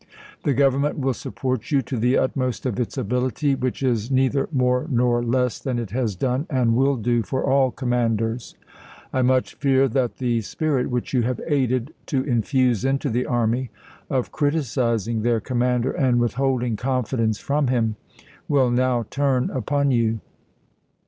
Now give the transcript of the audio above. The Govern ment will support you to the utmost of its ability, which is neither more nor less than it has done and will do for all commanders. I much fear that the spirit, which you have aided to infuse into the army, of criticizing their commander and with holding confidence from him, will now turn upon you.